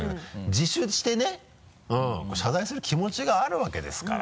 自首してね謝罪する気持ちがあるわけですから。